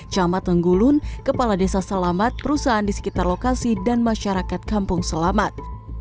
camat tenggulun kepala desa selamat perusahaan di sekitar lokasi dan masyarakat kampung selamat